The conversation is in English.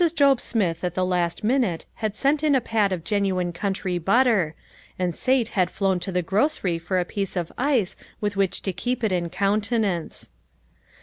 Job Smith at the last min ute had sent in a pat of genuine country butter, and Sate had flown to the grocery for a piece of ice with which to keep it in countenance.